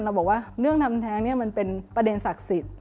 บอกว่าเรื่องทำแท้งเนี่ยมันเป็นประเด็นศักดิ์สิทธิ์